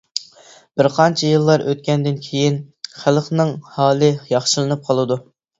بىر قانچە يىللار ئۆتكەندىن كېيىن خەلقنىڭ ھالى ياخشىلىنىپ قالىدۇ.